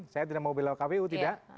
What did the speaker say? saya tidak mau bela kpu tidak